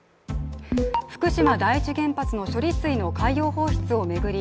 福島第一原発の処理水の海洋放出を巡り